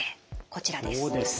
こちらです。